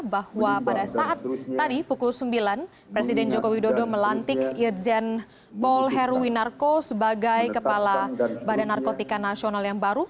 bahwa pada saat tadi pukul sembilan presiden joko widodo melantik irjen heruwinarko sebagai kepala bnn yang baru